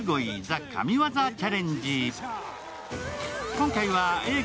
今回はＡぇ！